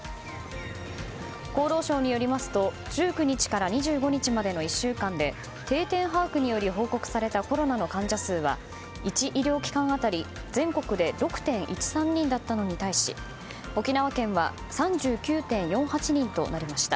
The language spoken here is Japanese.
厚労省によりますと１９日から２５日までの１週間で定点把握により報告されたコロナの患者数は１医療機関当たり全国で６．１３人だったのに対し沖縄県は３９．４８人となりました。